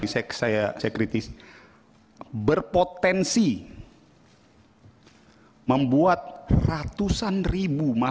saya kritis berpotensi membuat ratusan ribu masyarakat